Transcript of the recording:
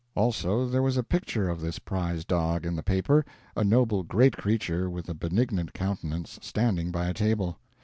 Also, there was a picture of this prize dog in the paper, a noble great creature with a benignant countenance, standing by a table.